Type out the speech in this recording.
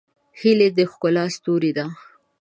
هیلۍ د ښکلا ستوری ده